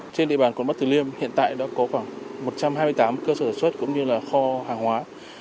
trên địa bàn quận bắc tử liêm hiện tại đã có khoảng một trăm hai mươi tám cơ sở sản xuất cũng như là kho hàng hóa